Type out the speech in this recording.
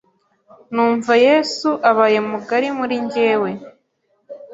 numva yesu abaye mugari muri njyewe,